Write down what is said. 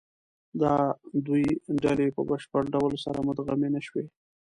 دا دوې ډلې په بشپړ ډول سره مدغمې نهشوې.